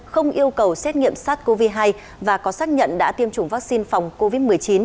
không yêu cầu xét nghiệm sars cov hai và có xác nhận đã tiêm chủng vaccine phòng covid một mươi chín